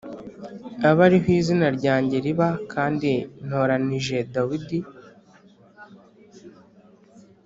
abe ari ho izina ryanjye riba kandi ntoranije Dawidi